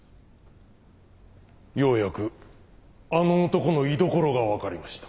ようやくあの男の居所が分かりました。